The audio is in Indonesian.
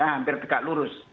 hampir dekat lurus